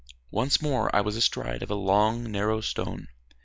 Once more I was astride of a long narrow stone.